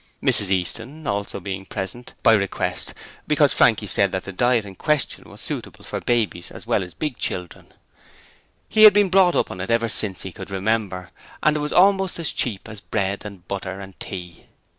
Mrs Easton being also present, by request, because Frankie said that the diet in question was suitable for babies as well as big children. He had been brought up on it ever since he could remember, and it was almost as cheap as bread and butter and tea.